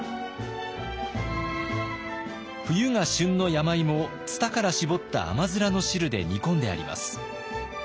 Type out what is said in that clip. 冬が旬の山芋をツタから搾った甘の汁で煮込んであります。